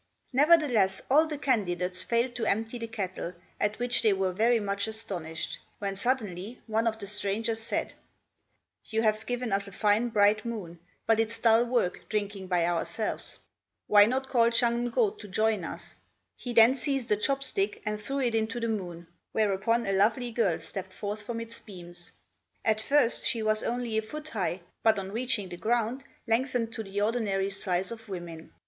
Nevertheless, all the candidates failed to empty the kettle, at which they were very much astonished, when suddenly one of the strangers said, "You have given us a fine bright moon; but it's dull work drinking by ourselves. Why not call Ch'ang ngo to join us?" He then seized a chop stick and threw it into the moon, whereupon a lovely girl stepped forth from its beams. At first she was only a foot high, but on reaching the ground lengthened to the ordinary size of women.